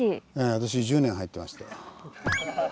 私１０年入ってまして。